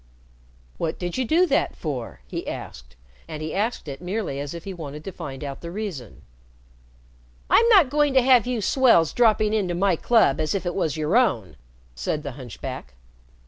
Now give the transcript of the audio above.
"What did you do that for?" he asked, and he asked it merely as if he wanted to find out the reason. "I'm not going to have you swells dropping in to my club as if it was your own," said the hunchback.